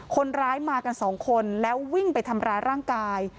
คนร้ายมากันสองคนแล้ววิ่งไปทำร้ายร่างกาย